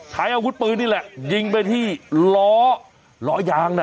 ใช้อาวุธปืนนี่แหละยิงไปที่ล้อล้อยางนะ